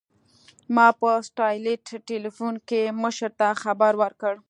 ما په سټلايټ ټېلفون کښې مشر ته خبر ورکړ.